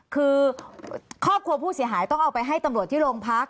คือครอบครัวผู้เสียหายต้องเอาไปให้ตำรวจที่โรงพัก